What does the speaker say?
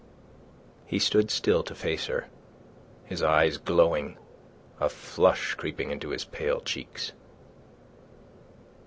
He stood still to face her, his eyes glowing, a flush creeping into his pale cheeks.